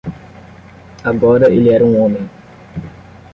Agora ele era um homem